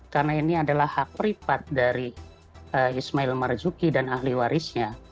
karena ini adalah hak pripat dari ismail marjuki dan ahli warisnya